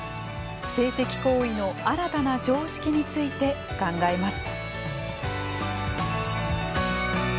性的行為の新たな常識について考えます。